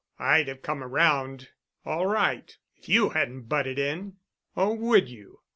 I'd have come around all right, if you hadn't butted in." "Oh, would you?"